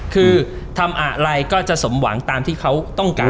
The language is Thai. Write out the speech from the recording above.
คือทำอะไรก็จะสมหวังตามที่เขาต้องการ